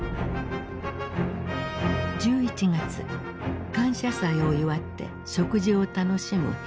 １１月感謝祭を祝って食事を楽しむ兵士たち。